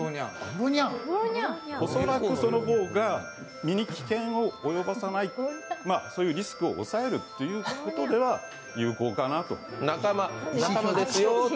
恐らくその方が身に危険を及ぼさない、そういうリスクを抑えるという意味では有効かなと。